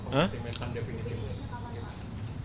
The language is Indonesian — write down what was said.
ini mendahulukan definitifnya